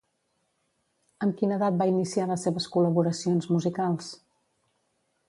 Amb quina edat va iniciar les seves col·laboracions musicals?